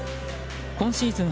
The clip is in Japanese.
今シーズン